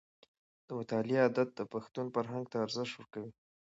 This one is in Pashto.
د مطالعې عادت د پښتون فرهنګ ته ارزښت ورکوي.